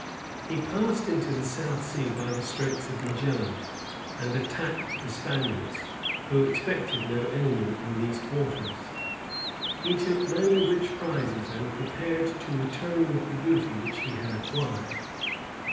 [] He passed into the South Sea by the Straits of Magellan; and attacking the Spaniards, who expected no enemy in those quarters, he took many rich prizes, and prepared to return with the booty which he had acquired.